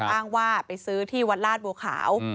อ้างว่าไปซื้อที่วัดลาดบัวขาว